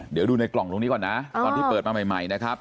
เดี๋ยวดูในกล่องตรงนี้ก่อนนะตอนที่เปิดมาใหม่นะครับ